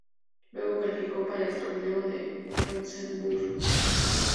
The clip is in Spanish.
Luego calificó para el Torneo de Johannesburgo.